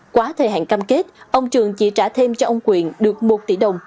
quá thời hạn cam kết ông trường chỉ trả thêm cho ông quyện được một tỷ đồng